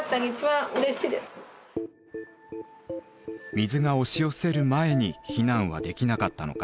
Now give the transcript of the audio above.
水が押し寄せる前に避難はできなかったのか？